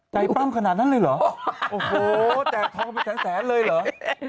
ใจปั้งขนาดนั้นเลยเหรอแจกทองไปแสนเลยเหรอ